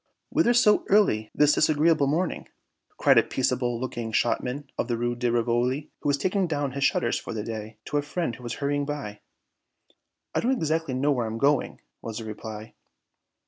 "Whither so early this disagreeable morning?" cried a peaceable looking shopman of the Rue de Rivoli, who was taking down his shutters for the day, to a friend who was hurrying by. "I don't exactly know where I am going," was the reply.